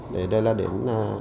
để đây là đến